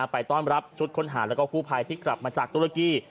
ไปต้อนรับชุดค้นหาแล้วก็กู้ภัยที่กลับมาจากตุรกี้